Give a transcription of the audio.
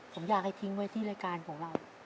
ผมอยากให้ทิ้งไว้ที่รายการของเรา